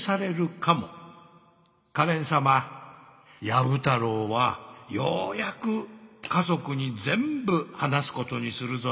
ヤブ太郎はようやく家族に全部話すことにするぞい」